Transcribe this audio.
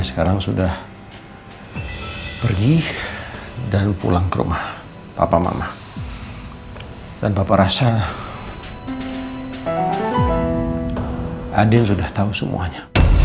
sekarang sudah pergi dan pulang ke rumah bapak mama dan papa rasa adil sudah tahu semuanya